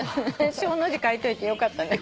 「正」の字書いといてよかったね。